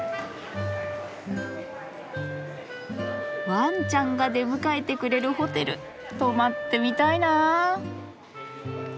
ワンちゃんが出迎えてくれるホテル泊まってみたいな。